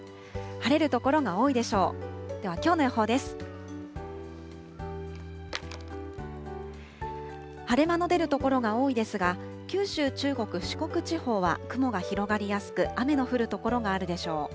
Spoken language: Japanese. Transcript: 晴れ間の出る所が多いですが、九州、中国、四国地方は雲が広がりやすく、雨の降る所があるでしょう。